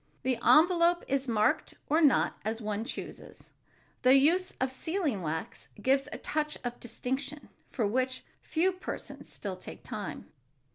The envelope is marked or not, as one chooses. The use of sealing wax gives a touch of distinction for which a few persons still take time.